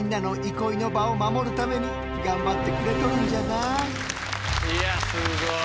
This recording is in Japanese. いやすごい。